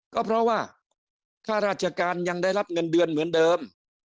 ก็เพราะว่าค่าราชการยังได้รับเงินเดือนเหมือนเดิม